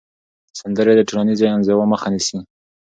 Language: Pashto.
سندرې د ټولنیزې انزوا مخه نیسي.